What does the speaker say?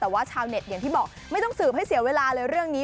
แต่ว่าชาวเน็ตอย่างที่บอกไม่ต้องสืบให้เสียเวลาเลยเรื่องนี้